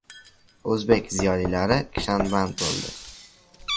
O‘zbek ziyolilari kishanband bo‘ldi.